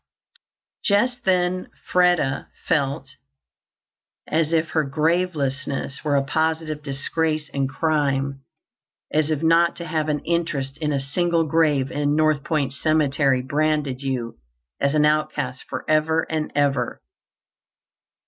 Just then Freda felt as if her gravelessness were a positive disgrace and crime, as if not to have an interest in a single grave in North Point cemetery branded you as an outcast forever and ever.